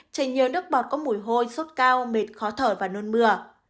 chảy nhiều nước bọt có mùi hôi sốt cao mệt khó thở và nôn mưa